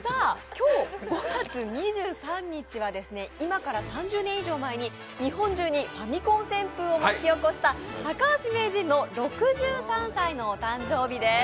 今日５月２３日は今から３０年以上前に日本中にファミコン旋風を巻き起こした高橋名人の６３歳のお誕生日です。